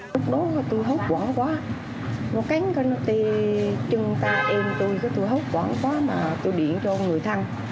lúc đó tôi hút quả quá nó cắn cho nó tê chân ta em tôi tôi hút quả quá mà tôi điện cho người thân